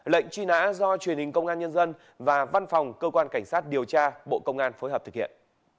lệnh truy nã do truyền hình công an nhân dân và văn phòng cơ quan cảnh sát điều tra bộ công an phối hợp thực hiện